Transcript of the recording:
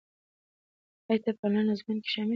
ایا ته په انلاین ازموینه کې شامل یې؟